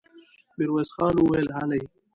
ميرويس خان وويل: هلئ!